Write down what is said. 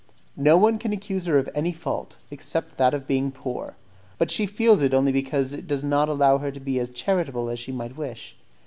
No one can accuse her of any fault, except that of being poor, but she feels it only because it does not allow her to be as charitable as she might wish.